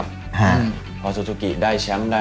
มาซุสุกิชั้นเป็นอุ้นยาศ